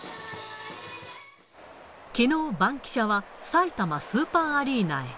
きのう、バンキシャは、さいたまスーパーアリーナへ。